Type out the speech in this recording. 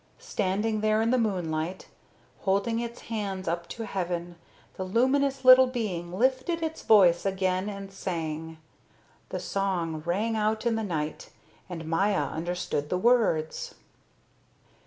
Standing there in the moonlight, holding its hands up to heaven, the luminous little being lifted its voice again and sang. The song rang out in the night, and Maya understood the words.